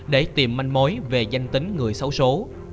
để tìm manh mối về danh tính người xấu số